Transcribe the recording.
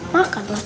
makan lah te